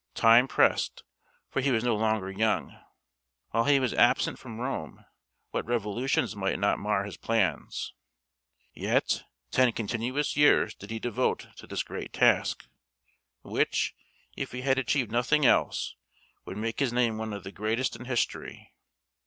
Time pressed, for he was no longer young. While he was absent from Rome, what revolutions might not mar his plans! Yet, ten continuous years did he devote to this great task, which, if he had achieved nothing else, would make his name one of the greatest in history.